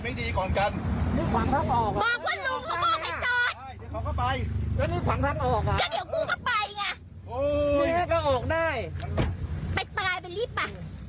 ไปตายไปรีบไป